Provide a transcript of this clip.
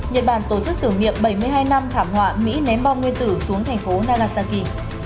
nhật bản tổ chức thử nghiệm bảy mươi hai năm thảm họa mỹ ném bom nguyên tử xuống thành phố nagasaki